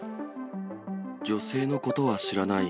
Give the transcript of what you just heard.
女性のことは知らない。